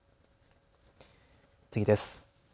次です。